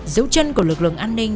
dấu chân của lực lượng an ninh